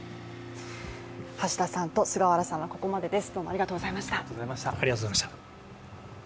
橋田さんと菅原さんはここまでです。